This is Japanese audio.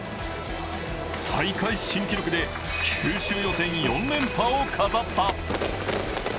大会新記録で九州予選４連覇を飾った。